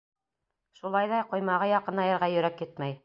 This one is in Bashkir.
Шулай ҙа ҡоймаға яҡынайырға йөрәк етмәй.